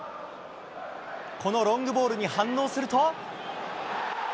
このロングボールに反応すると。